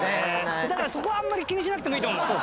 だからそこはあんまり気にしなくてもいいと思う。